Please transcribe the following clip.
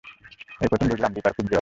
এই প্রথম বুঝলাম দিপার খুব জ্বর।